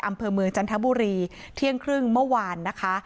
อำเภอเมืองจันทบุรีเที่ยงครึ่งเมื่อวานนะคะ